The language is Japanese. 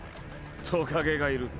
トカゲがいるぞ。